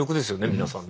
皆さんね。